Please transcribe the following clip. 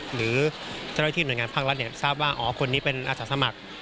หรือเจ้าหน้าที่หน่วยงานพลังรัฐทรัพย์ทราบว่าอ๋อคนนี้เป็นอาศักดิ์สมัคร